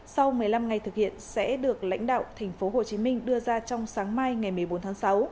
sau một mươi năm ngày thực hiện sẽ được lãnh đạo tp hcm đưa ra trong sáng mai ngày một mươi bốn tháng sáu